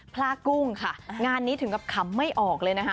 ลากกุ้งค่ะงานนี้ถึงกับขำไม่ออกเลยนะคะ